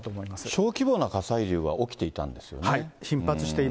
小規模な火砕流は起きていたんですよね。